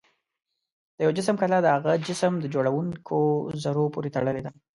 د یو جسم کتله د هغه جسم د جوړوونکو ذرو پورې تړلې ده.